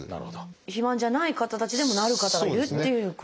肥満じゃない方たちでもなる方がいるっていうことですね。